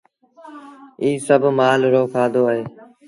ايٚ سڀ مآل رو کآڌو اهي۔